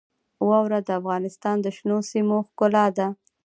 واوره د افغانستان د شنو سیمو ښکلا ده.